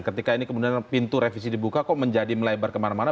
ketika ini kemudian pintu revisi dibuka kok menjadi melebar kemana mana